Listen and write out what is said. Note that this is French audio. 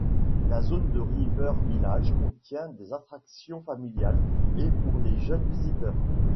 La zone de River Village contient des attractions familiales et pour les jeunes visiteurs.